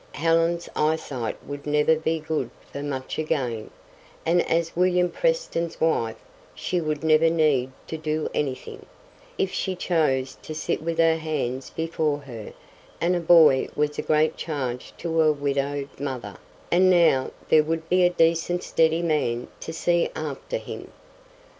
Helen's eyesight would never be good for much again, and as William Preston's wife she would never need to do anything, if she chose to sit with her hands before her; and a boy was a great charge to a widowed mother; and now there would be a decent steady man to see after him.